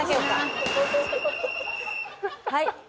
はい。